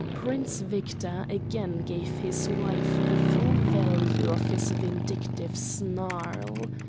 Prince Victor, again gave his wife the full value of his vindictive snarl.